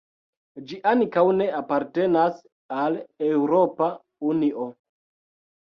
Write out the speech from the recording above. Ĝi ankaŭ ne apartenas al Eŭropa Unio.